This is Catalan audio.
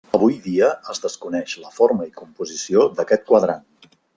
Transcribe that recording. Avui dia es desconeix la forma i composició d'aquest quadrant.